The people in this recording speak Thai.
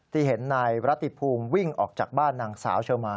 ที่เห็นนายรัติภูมิวิ่งออกจากบ้านนางสาวเชอมา